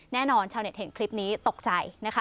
แน่นอนชาวเน็ตเห็นคลิปนี้ตกใจนะคะ